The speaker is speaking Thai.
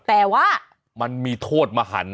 แต่ว่ามันมีโทษมหัน